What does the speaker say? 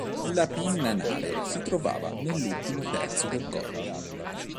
La pinna anale si trovava nell'ultimo terzo del corpo.